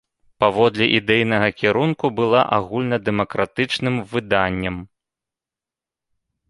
Паводле ідэйнага кірунку была агульнадэмакратычным выданнем.